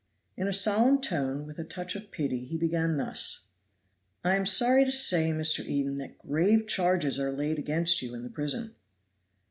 In a solemn tone, with a touch of pity, he began thus: "I am sorry to say, Mr. Eden, that grave charges are laid against you in the prison."